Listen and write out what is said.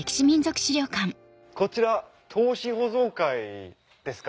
こちら灯芯保存会ですか？